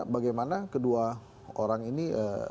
bagaimana kedua orang ini